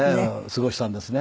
過ごしたんですね。